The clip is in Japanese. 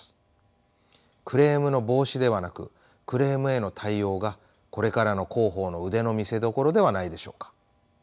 クレームの防止ではなくクレームへの対応がこれからの広報の腕の見せどころではないでしょうか。